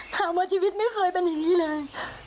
ถามว่าชีวิตไม่เคยเป็นอย่างนี้เลย